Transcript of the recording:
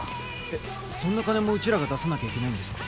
えっそんな金もうちらが出さなきゃいけないんですか？